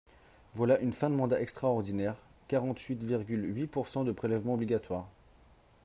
Voilà une fin de mandat extraordinaire, quarante-huit virgule huit pourcent de prélèvements obligatoires.